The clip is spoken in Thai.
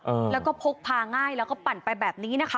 เออแล้วก็พกพาง่ายแล้วก็ปั่นไปแบบนี้นะคะ